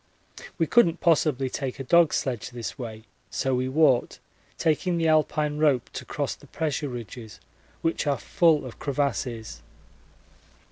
We couldn't possibly take a dog sledge this way, so we walked, taking the Alpine rope to cross the pressure ridges, which are full of crevasses.